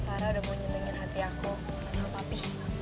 devara udah mau nyembengin hati aku sama papi